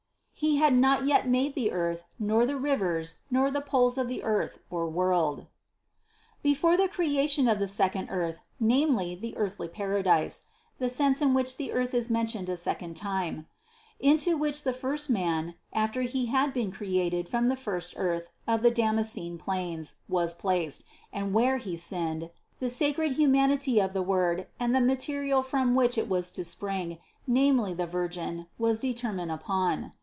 63. "He had not yet made the earth, nor the rivers, nor the poles of the (earth) world." Before the cre ation of the second earth, namely, the earthly paradise (the sense in which the earth is mentioned a second time), into which the first man, after he had been created from the first earth of the Damascene plains, was placed, and where he sinned, the sacred humanity of the Word and the material from which it was to spring, namely the Virgin, was determined upon.